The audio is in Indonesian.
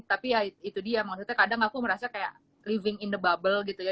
tapi ya itu dia maksudnya kadang aku merasa kayak living in the bubble gitu ya